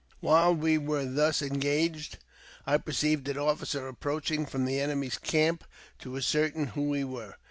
While we were thus engaged, I perceived an officer approaching from the enemy's camp to ascertain who we were.